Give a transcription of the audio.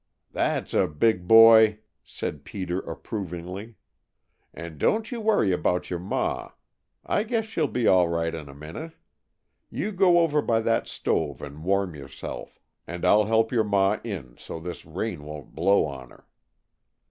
"That's a big boy!" said Peter approvingly. "And don't you worry about your ma. I guess she'll be all right in a minute. You go over by that stove and warm yourself, and I'll help your ma in, so this rain won't blow on her."